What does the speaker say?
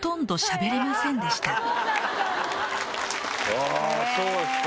あぁそうですか。